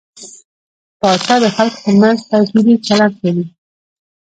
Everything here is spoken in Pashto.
پاچا د خلکو تر منځ توپيري چلند کوي .